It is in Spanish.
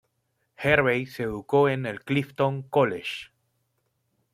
Hervey se educó en el Clifton College.